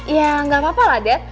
ya gapapalah dad